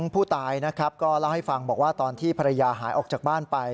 ผู้ตายนะครับก็เล่าให้ฟังบอกว่าตอนที่ภรรยาหายออกจากบ้านไป